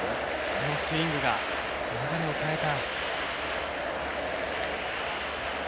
あのスイングが流れを変えた。